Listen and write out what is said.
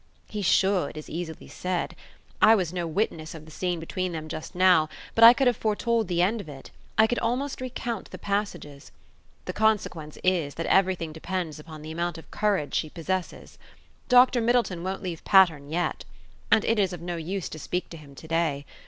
... He should, is easily said. I was no witness of the scene between them just now, but I could have foretold the end of it; I could almost recount the passages. The consequence is, that everything depends upon the amount of courage she possesses. Dr. Middleton won't leave Patterne yet. And it is of no use to speak to him to day.